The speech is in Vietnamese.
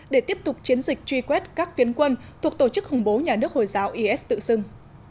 để tiếp tục chiến dịch truy quét các phiến quân thuộc tổ chức khủng bố nhà nước hồi giáo is tự xưng